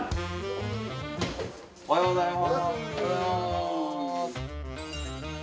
おはようございます。